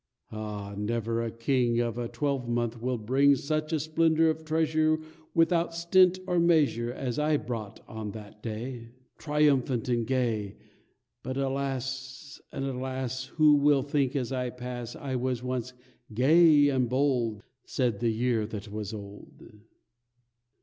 Ah, never a king Of a twelvemonth, will bring Such a splendor of treasure Without stint or measure, As I brought on that day, Triumphant and gay. But, alas, and alas, Who will think as I pass, I was once gay and bold?" Said the year that was old.